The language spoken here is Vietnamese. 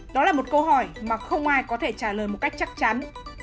đó là một câu hỏi mà không ai có thể trả lời một cách chắc chắn